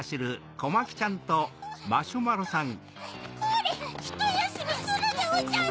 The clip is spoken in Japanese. これひとやすみするでおじゃる。